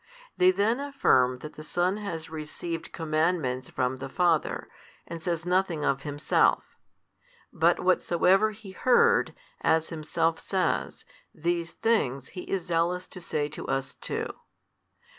They then affirm that the Son has received commandments from the Father, and says nothing of Himself: but whatsoever He heard, as Himself says, these things He is zealous to say to us too.